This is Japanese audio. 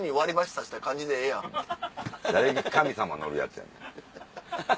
誰が神様乗るやつやねん。